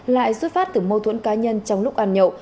lại xuất phát từ mâu thuẫn cá nhân trong lúc ăn nhậu